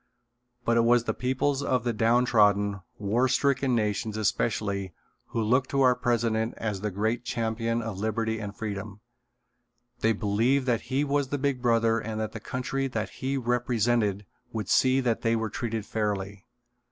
But it was the peoples of the downtrodden, war stricken nations especially who looked to our president as the great champion of liberty and freedom. They believed that he was the "Big Brother" and that the country that he represented would see that they were treated fairly.